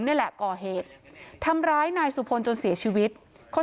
เนี้ยล่ะก่อเหยฯทำร้ายนายสุปรนจนเสียชีวิตเขา